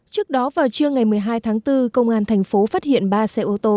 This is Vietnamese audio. trước đó vào trưa ngày một mươi hai tháng bốn công an thành phố phát hiện ba xe ô tô